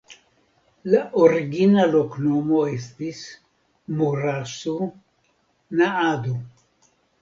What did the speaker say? La origina loknomo estis "Murasu Naadu".